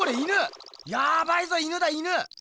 ヤバいぞ犬だ犬！